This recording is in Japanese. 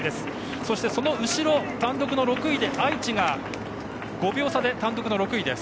そしてその後ろ、単独の６位で愛知が５秒差です。